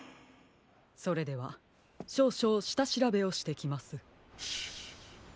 それではしょうしょうしたしらべをしてきます。